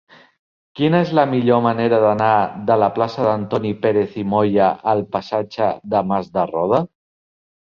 Quina és la millor manera d'anar de la plaça d'Antoni Pérez i Moya al passatge de Mas de Roda?